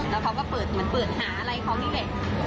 แล้วเขาก็เปิดเหมือนเปิดหาอะไรเขานี่แหละ